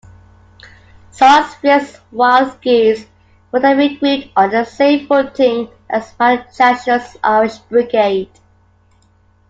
Sarsfield's Wild Geese were then re-grouped on the same footing as Mountcashel's Irish Brigade.